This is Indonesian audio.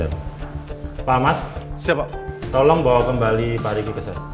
pak ahmad tolong bawa kembali pak riki ke z